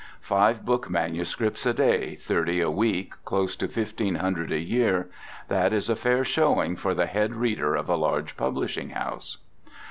Five book manuscripts a day, thirty a week, close to fifteen hundred a year—that is a fair showing for the head reader of a large publishing house.